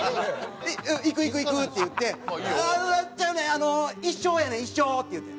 「行く行く行く！」って言うて「ああちゃうねん！あの一生やねん一生」って言うて。